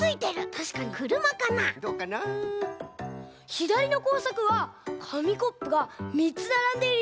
ひだりのこうさくはかみコップが３つならんでいるよ。